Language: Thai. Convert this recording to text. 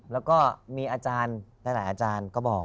แล้วก็มีอาจารย์หลายอาจารย์ก็บอก